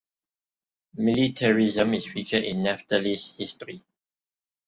Militarism is featured in Naphtali's history.